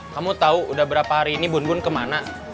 kamu tahu udah berapa hari ini bun bun kemana